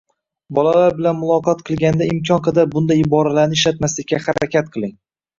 Bola bilan muloqot qilganda imkon qadar bunday iboralarni ishlatmaslikka harakat qiling.